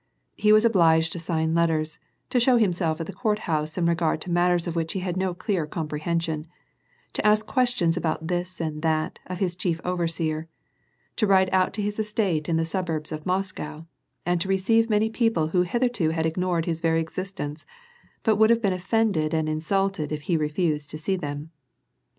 He was obliged to sign letteis, to show himself at the court house in regard to matters of which he had no clear comprehension, to ask questions about this and that, of his chief overseer, to ride out to his estate in the suburbs of Moscow, and to receive many people who hitherto had ignored his very existence, but who would be offended and insulted if he refused to see them.